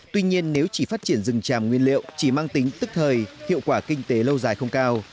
tuy nhiên nếu chỉ phát triển rừng tràm nguyên liệu chỉ mang tính tức thời hiệu quả kinh tế lâu dài không cao